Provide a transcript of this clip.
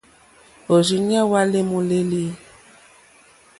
Òrzìɲɛ́ hwá lê môlélí.